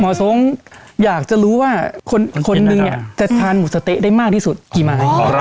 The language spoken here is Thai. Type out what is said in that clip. ทรงอยากจะรู้ว่าคนนึงจะทานหมูสะเต๊ะได้มากที่สุดกี่ไม้